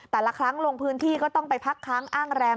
แต่ละครั้งลงพื้นที่ก็ต้องไปพักค้างอ้างแรม